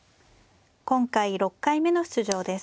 今回６回目の出場です。